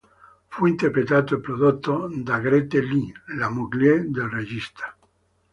Fu interpretato e prodotto da Grete Ly, la moglie del regista.